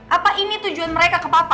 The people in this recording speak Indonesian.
apa ini tujuan mereka ke papua